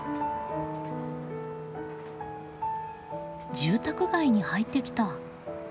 住宅街に入ってきた。